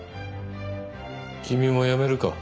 君もやめるか？